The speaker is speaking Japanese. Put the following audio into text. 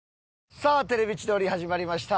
さあ『テレビ千鳥』始まりました。